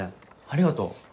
ありがとう。